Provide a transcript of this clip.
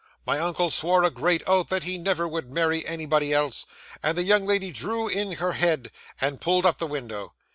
'My uncle swore a great oath that he never would marry anybody else, and the young lady drew in her head, and pulled up the window.